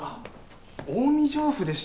近江上布でした。